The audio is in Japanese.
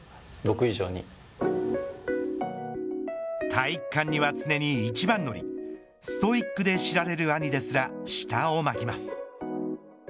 体育館には常に一番乗りストイックで知られる兄ですら舌を巻きます。